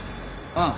ああ。